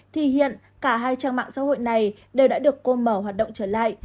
thì hiện cả hai trang mạng xã hội này đều đã được cô mở hoạt động trở lại